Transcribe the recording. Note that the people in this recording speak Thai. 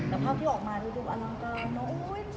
พาร์ตที่เราออกมาดูอลงการแล้วอุ้ยจริง